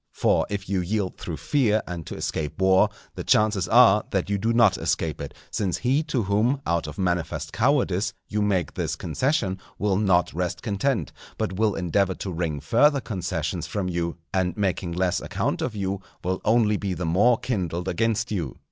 For if you yield through fear and to escape war, the chances are that you do not escape it; since he to whom, out of manifest cowardice you make this concession, will not rest content, but will endeavour to wring further concessions from you, and making less account of you, will only be the more kindled against you.